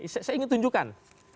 saya ingin tunjukkan